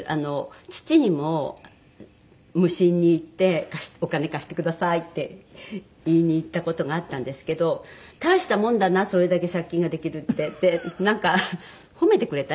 父にも無心に行って「お金貸してください」って言いに行った事があったんですけど「大したもんだなそれだけ借金ができるって」ってなんか褒めてくれた？